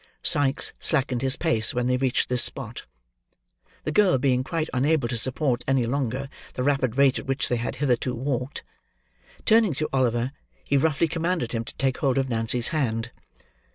Sikes slackened his pace when they reached this spot: the girl being quite unable to support any longer, the rapid rate at which they had hitherto walked. Turning to Oliver, he roughly commanded him to take hold of Nancy's hand.